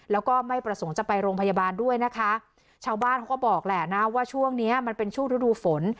แล้วก็ไม่ประสงค์จะไปโรงพยาบาลด้วยนะคะชาวบ้านเขาก็บอกแหละนะว่าช่วงเนี้ยมันเป็นช่วงฤดูฝน